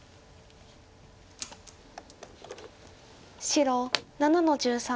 白７の十三。